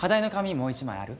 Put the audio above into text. もう一枚ある？